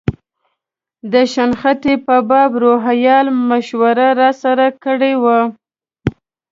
د شنختې په باب روهیال مشوره راسره کړې وه.